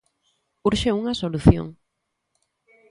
Urxe unha solución.